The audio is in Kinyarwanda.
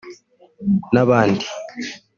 n’abandi”